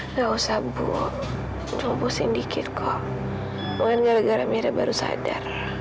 nggak usah bu nunggu pusing dikit kok mungkin gara gara amira baru sadar